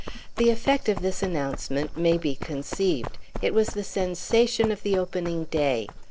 The effect of this announcement may be conceived; it was the sensation of the opening day.